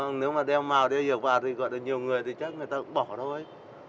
nếu mà đeo màu đeo hiệu quả thì gọi là nhiều người thì chắc người ta cũng bỏ thôi